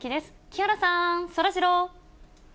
木原さん、そらジロー。